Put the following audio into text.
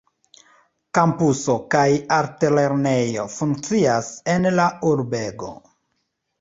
Kampuso kaj altlernejo funkcias en la urbego.